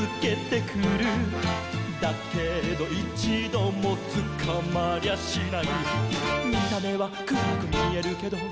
「だけどいちどもつかまりゃしない」「見た目はくらくみえるけど」